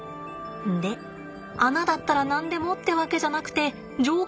で穴だったら何でもってわけじゃなくて条件があるんだって。